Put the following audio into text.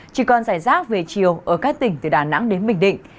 chỉ còn giải rác về chiều ở các tỉnh từ đà nẵng đến bình định